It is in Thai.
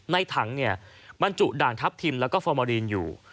ถังเนี่ยบรรจุด่างทัพทิมแล้วก็ฟอร์มารีนอยู่